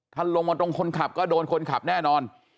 ลงมาตรงคนขับก็โดนคนขับแน่นอน